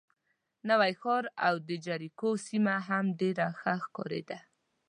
نوی ښار او د جریکو سیمه هم ډېره ښه ښکارېده.